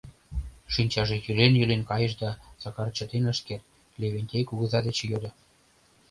Шинчаже йӱлен-йӱлен кайыш да, Сакар чытен ыш керт, Левентей кугыза деч йодо: